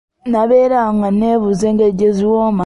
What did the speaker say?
Nabeera awo nga neebuuza engeri gye ziwooma.